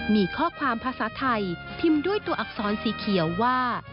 มีข้อความภาษาไทยพิมพ์ด้วยตัวอักษรสีเขียวว่า